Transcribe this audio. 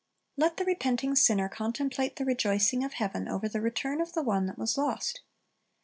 Let the repenting sinner contemplate the rejoicing of heaven over the return of the one that was lost.